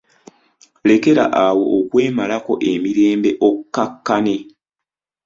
Lekera awo okwemalako emirembe okkakkane.